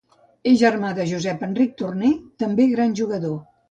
És germà de Josep Enric Torner, també gran jugador.